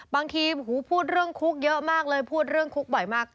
บางทีพูดเรื่องคุกเยอะมากเลยพูดเรื่องคุกบ่อยมาก